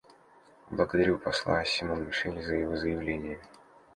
Благодарю посла Симон-Мишеля за его заявление.